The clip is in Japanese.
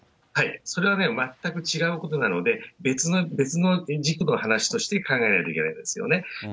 それはね、全く違うことなので、別の軸の話として考えなきゃいけないですよね。